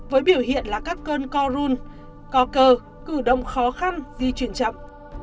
với biểu hiện là các cơn co run co cơ cử động khó khăn di chuyển chậm